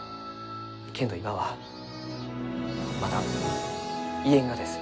けんど今はまだ言えんがです。